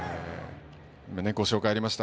ご紹介がありました